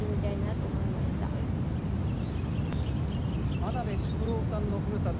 真鍋淑郎さんのふるさと